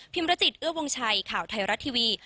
มรจิตเอื้อวงชัยข่าวไทยรัฐทีวี